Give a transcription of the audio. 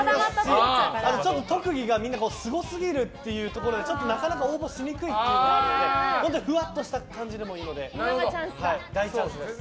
あとは、特技がすごすぎるっていうところでなかなか応募しにくいっていうのがあったのでふわっとした感じでいいので大チャンスです。